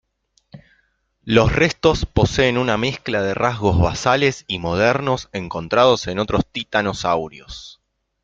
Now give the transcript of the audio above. Los restos poseen una mezcla de rasgos basales y modernos encontrados en otros titanosaurios.